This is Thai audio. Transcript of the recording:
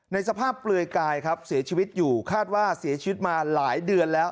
สภาพเปลือยกายครับเสียชีวิตอยู่คาดว่าเสียชีวิตมาหลายเดือนแล้ว